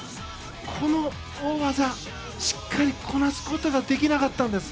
この大技、しっかりこなすことができなかったんです。